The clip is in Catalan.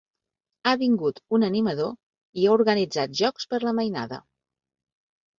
Ha vingut un animador i ha organitzat jocs per la mainada.